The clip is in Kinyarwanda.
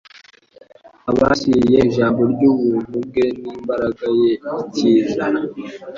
abashyiriye ijambo ry'ubuntu bwe n'imbaraga ye ikiza?